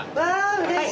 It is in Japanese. うれしい！